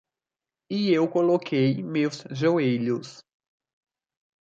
E eu coloquei meus joelhos.